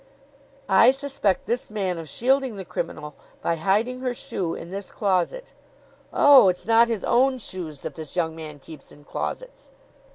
"I suspect this man of shielding the criminal by hiding her shoe in this closet." "Oh, it's not his own shoes that this young man keeps in closets?"